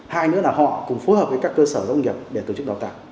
hai nữa là họ cùng phối hợp với các cơ sở doanh nghiệp để tổ chức đào tạo